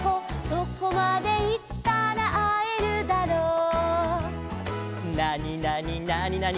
「どこまでいったらあえるだろう」「なになになになに」